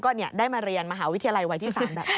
ได้มาเรียนมหาวิทยาลัยวัยที่๓แบบนี้